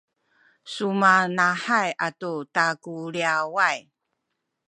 sumanahay atu takuliyaway